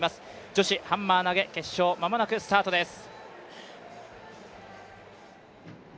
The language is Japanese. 女子ハンマー投決勝、間もなくスタートです。